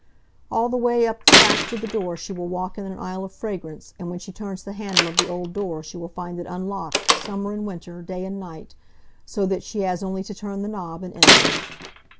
"All the way up the path to the door she will walk in an aisle of fragrance, and when she turns the handle of the old door she will find it unlocked, summer and winter, day and night, so that she has only to turn the knob and enter."